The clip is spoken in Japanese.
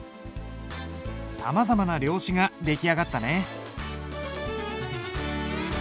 さまざまな料紙が出来上がったね。